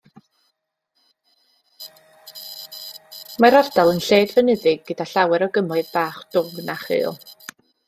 Mae'r ardal yn lled fynyddig gyda llawer o gymoedd bach, dwfn a chul.